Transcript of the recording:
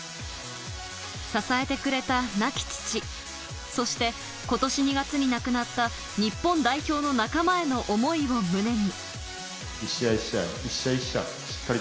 支えてくれた亡き父、そして今年２月に亡くなった日本代表の仲間への思いを胸に。